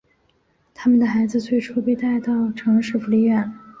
他们的孩子最初被带到城市福利院。